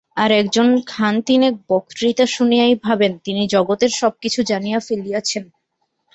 আর একজন খানতিনেক বক্তৃতা শুনিয়াই ভাবেন, তিনি জগতের সব কিছু জানিয়া ফেলিয়াছেন।